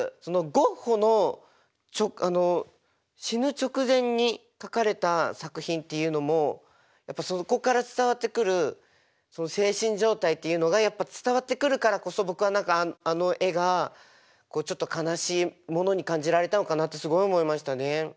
ゴッホの死ぬ直前に描かれた作品っていうのもやっぱそこから伝わってくる精神状態っていうのがやっぱ伝わってくるからこそ僕はあの絵がちょっと悲しいものに感じられたのかなってすごい思いましたね。